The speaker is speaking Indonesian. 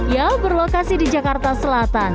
ya berlokasi di jakarta selatan